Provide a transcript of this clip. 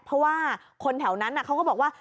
เพราะว่าคนแถวนั้นเขาก็บอกว่า